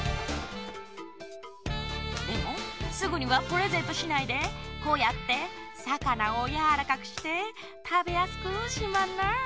でもすぐにはプレゼントしないでこうやってさかなをやわらかくしてたべやすくしまんな。